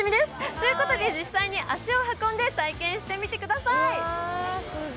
ということで実際に足を運んで体験してみてください。